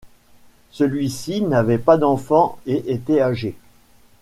Celui-ci n'avait pas d'enfant et était âgé.